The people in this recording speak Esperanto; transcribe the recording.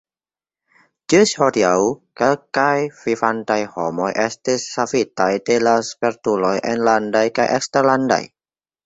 Ĝis hodiaŭ kelkaj vivantaj homoj estis savitaj de la spertuloj enlandaj kaj eksterlandaj.